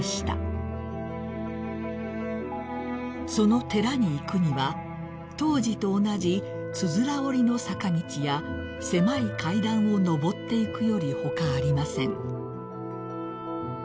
［その寺に行くには当時と同じつづら折りの坂道や狭い階段を上っていくよりほかありません］